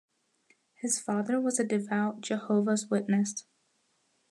His father was a devout Jehovah's Witness.